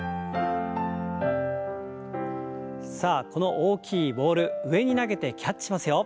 さあこの大きいボール上に投げてキャッチしますよ。